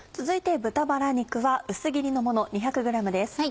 続いて豚バラ肉は薄切りのもの２００ｇです。